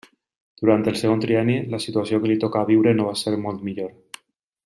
Durant el segon trienni, la situació que li tocà viure no va ser molt millor.